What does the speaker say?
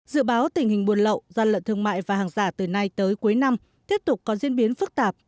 dự báo tình hình buôn lậu gian lận thương mại và hàng giả từ nay tới cuối năm tiếp tục có diễn biến phức tạp